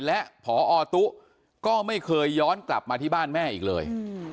และพอตุ๊ก็ไม่เคยย้อนกลับมาที่บ้านแม่อีกเลย